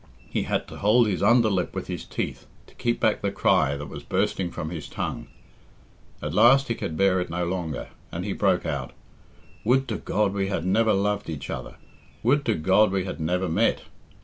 He had to hold his under lip with his teeth to keep back the cry that was bursting from his tongue. At last he could bear it no longer, and he broke out, "Would to God we had never loved each other! Would to God we had never met!"